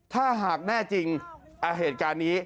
ถ้าหากแน่จริงเหตุการณ์นี้